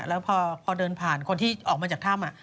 แล้วพอเดินผ่านคนที่ออกมาจากถ้ำ